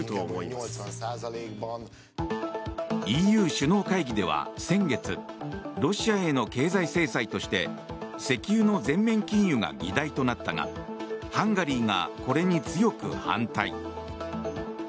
ＥＵ首脳会議では先月ロシアへの経済制裁として石油の全面禁輸が議題となったがハンガリーがこれに強く反対。